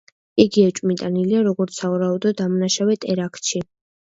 იგი ეჭვმიტანილია, როგორც სავარაუდო დამნაშავე ტერაქტში.